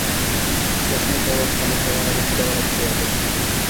শ্মশান, কবরস্থান এইসব আমাকে ছোটবেলা থেকেই আকর্ষণ করত।